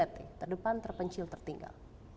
terdepan terpencil tertinggal